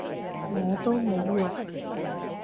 我都冇用